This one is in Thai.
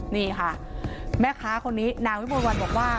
นี่ค่ะแม่ค้าคนนี้นางวิมวลวันบอกว่า